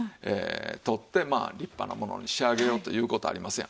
取ってまあ立派なものに仕上げようという事ありますやん。